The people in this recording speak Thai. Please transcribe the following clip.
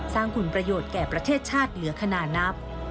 สร้างคุณประโยชน์แก่ประเทศชาติเหลือขนาดนับ